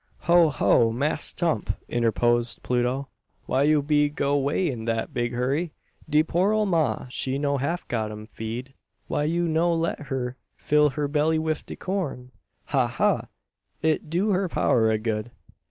"Ho! ho! Mass' Tump!" interposed Pluto. "Why you be go 'way in dat big hurry? De poor ole ma' she no half got u'm feed. Why you no let her fill her belly wif de corn? Ha! ha! It do her power o' good."